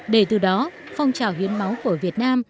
để từ đó phong trào hiến máu của việt nam